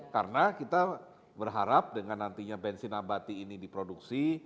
tetapi dengan nantinya bensin abadi ini diproduksi